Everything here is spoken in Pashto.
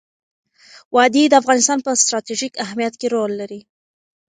وادي د افغانستان په ستراتیژیک اهمیت کې رول لري.